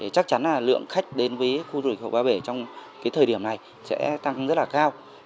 chắc chắn là lượng khách đến với khu vực vườn quốc gia ba bể trong cái thời điểm này sẽ tăng rất là cao